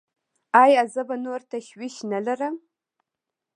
ایا زه به نور تشویش نلرم؟